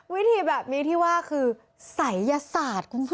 วิธีแบบนี้ที่ว่าคือศัยยศาสตร์คุณผู้ชม